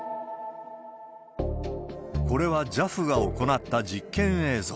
これはＪＡＦが行った実験映像。